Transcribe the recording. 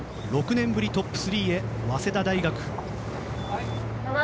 ６年ぶりトップ３へ早稲田大学。